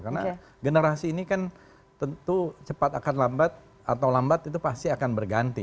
karena generasi ini kan tentu cepat akan lambat atau lambat itu pasti akan berganti